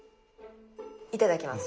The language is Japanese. いただきます。